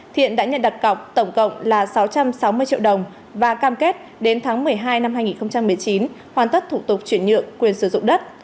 tổng cộng là sáu trăm sáu mươi triệu đồng và cam kết đến tháng một mươi hai năm hai nghìn một mươi chín hoàn tất thủ tục chuyển nhược quyền sử dụng đất